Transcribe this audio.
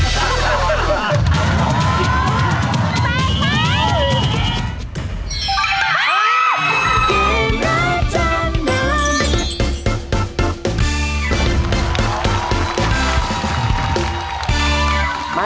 มาที่สุดท้าย